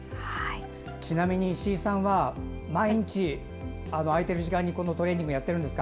ちなみに、石井さんは毎日、空いている時間にこのトレーニングをやっていますか。